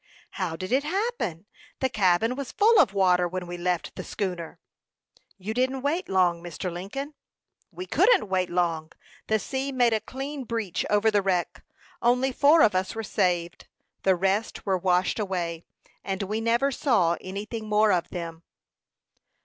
"How did it happen? The cabin was full of water when we left the schooner." "You didn't wait long, Mr. Lincoln." "We couldn't wait long. The sea made a clean breach over the wreck. Only four of us were saved; the rest were washed away, and we never saw anything more of them!"